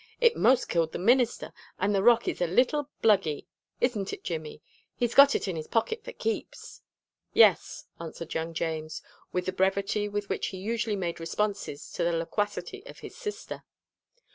It most killed the minister, and the rock is a little bluggy. Isn't it, Jimmy? He's got it in his pocket for keeps." "Yes," answered young James, with the brevity with which he usually made responses to the loquacity of his sister.